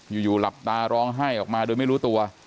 อยู่หลับตาร้องไห้ออกมาโดยไม่รู้ตัว